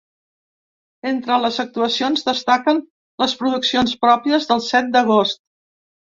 Entre les actuacions destaquen les produccions pròpies del set d’agost.